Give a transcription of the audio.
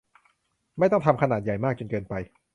ไม่ต้องทำขนาดใหญ่มากจนเกินไป